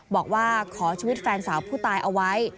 บอกว่าขอชีวิตแฟนสาวผู้ตายเอาไว้